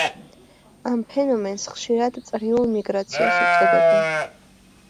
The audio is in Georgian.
ამ ფენომენს ხშირად წრიულ მიგრაციას უწოდებენ.